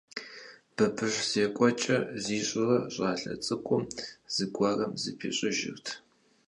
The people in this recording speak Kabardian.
Бабыщ зекӀуэкӀэ зищӀурэ щӀалэ цӀыкӀум зыгуэрым зыпищӀыжырт.